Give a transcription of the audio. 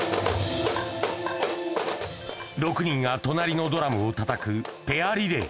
６人が隣のドラムをたたくペアリレー。